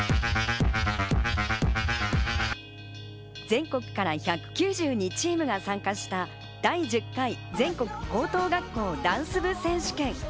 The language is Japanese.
全国から１９２チームが参加した、第１０回全国高等学校ダンス部選手権。